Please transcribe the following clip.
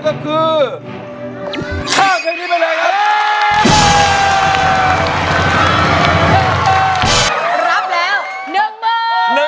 ข้ามเพลงที่เบนเรน